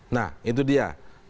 nah itu dia